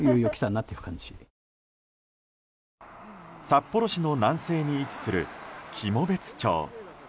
札幌市の南西に位置する喜茂別町。